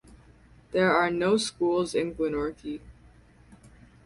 There are no schools in Glenorchy.